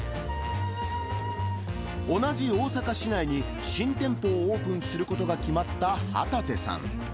同じ大阪市内に新店舗をオープンすることが決まった旗手さん。